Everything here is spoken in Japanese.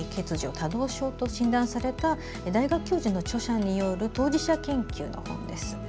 ・多動症と診断された大学教授の著者による当事者研究の本です。